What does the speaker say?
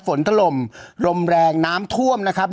ถล่มลมแรงน้ำท่วมนะครับ